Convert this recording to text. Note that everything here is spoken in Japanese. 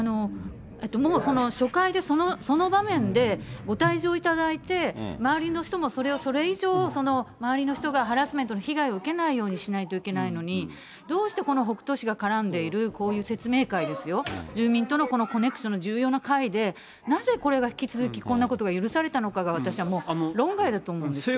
もう初回で、その場面でご退場いただいて、周りの人も、それをそれ以上、周りの人がハラスメントの被害を受けないようにしないといけないのに、どうしてこの北杜市が絡んでいる、こういう説明会ですよ、住民とのコネクションの重要な会で、なぜこれが引き続き、こんなことが許されたのかが、私はもう、論外だと思いますね。